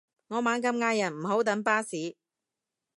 我猛咁嗌人唔好等巴士